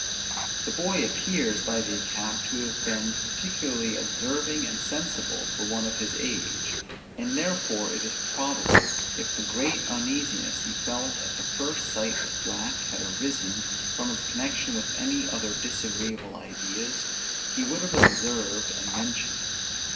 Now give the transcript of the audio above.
The boy appears by the account to have been particularly observing and sensible for one of his age; and therefore it is probable, if the great uneasiness he felt at the first sight of black had arisen from its connection with any other disagreeable ideas, he would have observed and mentioned it.